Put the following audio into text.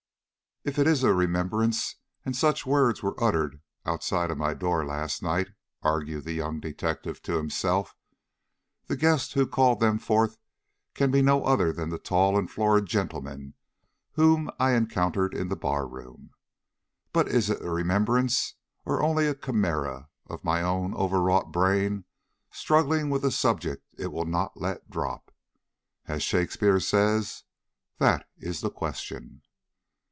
"If it is a remembrance and such words were uttered outside of my door last night," argued the young detective to himself, "the guest who called them forth can be no other than the tall and florid gentleman whom I encountered in the bar room. But is it a remembrance, or only a chimera of my own overwrought brain struggling with a subject it will not let drop? As Shakespeare says, 'That is the question!'"